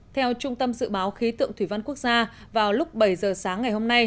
theo trung tâm dự báo khí tượng thủy văn quốc gia vào lúc bảy giờ sáng ngày hôm nay